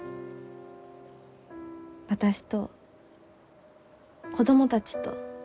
私と子供たちと。